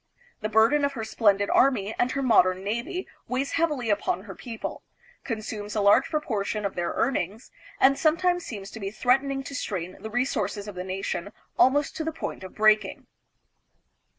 The burden of her splendid army and her modern navy weighs heavily upon her people, consumes a large proportion of their earnings, and sometimes seems to be threatening to strain the resources of the nation almost to the point of breaking.